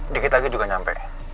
dikit lagi juga nyampe